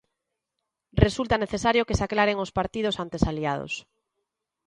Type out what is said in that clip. Resulta necesario que se aclaren os partidos antes aliados.